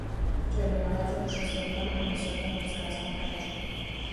Кӏэлэегъаджэр пшысэхэм, усэхэм, рассказхэм къяджэ.